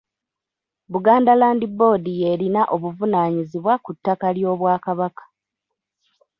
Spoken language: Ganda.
Buganda Land Board y’erina obuvunaanyizibwa ku ttaka ly'Obwakabaka.